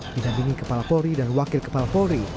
didampingi kepala polri dan wakil kepala polri